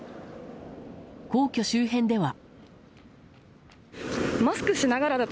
皇居周辺では。